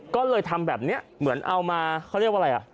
ก็เลยทำแบบนี้เหมือนเอามาเขาเรียกว่าอะไรอ่ะ